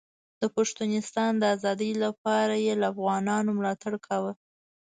د پښتونستان د ازادۍ لپاره یې له افغانانو ملاتړ کاوه.